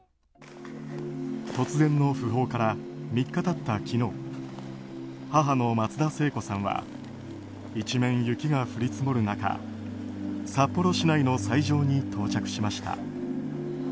突然の訃報から３日経った昨日母の松田聖子さんは一面、雪が降り積もる中札幌市内の斎場に到着しました。